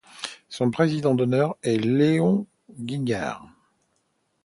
Son président d'honneur est Léon Guignard.